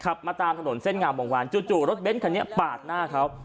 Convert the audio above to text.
เข้าขับมาตามถนนเส้นงามบองวารจู่รถเบนท์เขานี้ปาดหน้าเขา